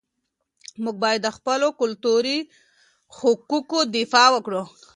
موږ باید د خپلو کلتوري حقوقو دفاع وکړو.